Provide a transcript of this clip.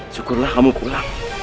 syukurlah kamu pulang